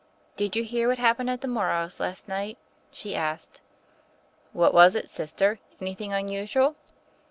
Did you hear what happened at the Mor rows' last night?*' she asked. What was it, Sister? Anything unusual?"